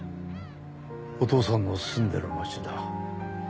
お父さんの住んでる町だ。